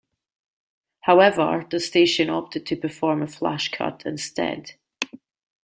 However, the station opted to perform a flash-cut instead.